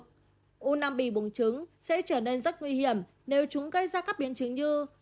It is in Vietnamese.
nếu u năng bị buồn trứng sẽ trở nên rất nguy hiểm nếu chúng gây ra các biến chứng như